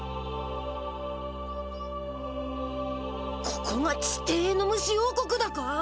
ここが地底のムシ王国だか？